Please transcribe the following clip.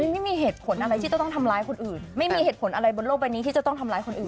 ไม่มีเหตุผลอะไรที่จะต้องทำร้ายคนอื่นไม่มีเหตุผลอะไรบนโลกใบนี้ที่จะต้องทำร้ายคนอื่น